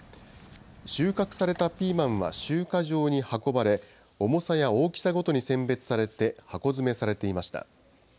収穫されたピーマンは集荷場に運ばれ、重さや大きさごとに選別されて箱詰めされていました。